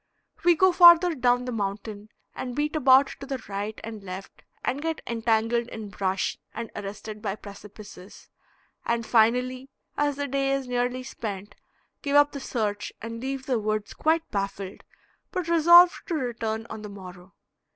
We go farther down the mountain and beat about to the right and left and get entangled in brush and arrested by precipices, and finally as the day is nearly spent, give up the search and leave the woods quite baffled, but resolved to return on the morrow.